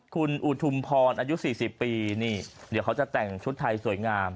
คุณอุทุมพรอายุ๔๐ปีนี่เดี๋ยวเขาจะแต่งชุดไทยสวยงาม